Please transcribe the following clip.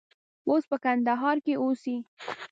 اوس په کندهار کې اوسي.